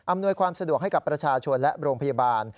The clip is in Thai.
ความสะดวกให้กับประชาชนและโรงพยาบาล